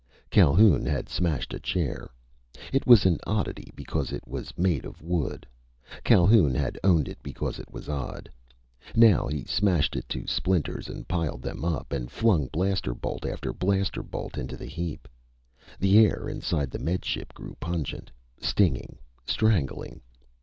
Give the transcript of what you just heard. Calhoun had smashed a chair. It was an oddity because it was make of wood. Calhoun had owned it because it was odd. Now he smashed it to splinters and piled them up and flung blaster bolt after blaster bolt into the heap. The air inside the Med Ship grew pungent; stinging; strangling.